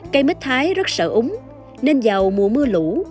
cây mít thái rất sợ úng nên vào mùa mưa lũ